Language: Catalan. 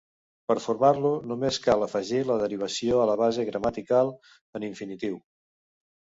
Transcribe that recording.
Per formar-lo només cal afegir la derivació a la base gramatical en infinitiu.